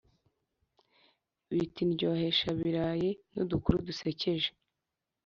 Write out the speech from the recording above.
Bita "Indyohesha birayi nudukuru dusekeje